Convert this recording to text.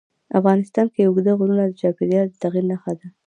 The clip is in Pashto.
افغانستان کې اوږده غرونه د چاپېریال د تغیر نښه ده.